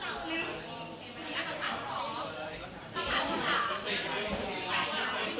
สวัสดีครับ